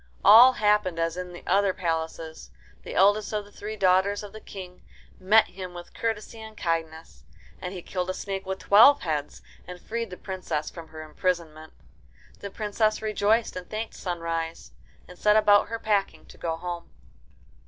All happened as in the other palaces. The eldest of the three daughters of the King met him with courtesy and kindness. And he killed a snake with twelve heads and freed the Princess from her imprisonment. The Princess rejoiced, and thanked Sunrise, and set about her packing to go home.